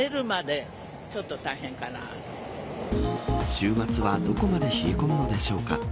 週末はどこまで冷え込むのでしょうか。